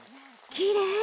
きれい！